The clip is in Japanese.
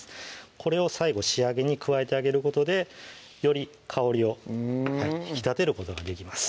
これを最後仕上げに加えてあげることでより香りを引き立てることができます